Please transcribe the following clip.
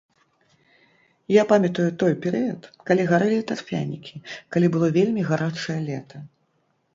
Я памятаю той перыяд, калі гарэлі тарфянікі, калі было вельмі гарачае лета.